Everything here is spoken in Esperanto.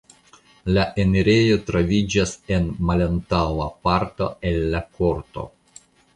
La enirejo troviĝas en malantaŭa parto el la korto.